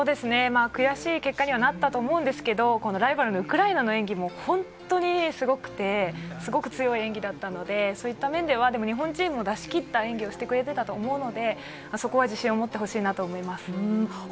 悔しい結果にはなったと思うんですけれど、ライバルのウクライナの演技もホントにすごくて強い演技だったので、そういった面では日本チームは出し切った演技をしてくれたと思うので、自信を持ってほしいなと思います。